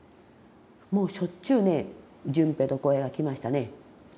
もうしょっちゅうね順平と幸平が来ましたね。